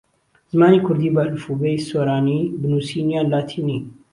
زمانی کوردی بە ئەلفوبێی سۆرانی بنووسین یان لاتینی؟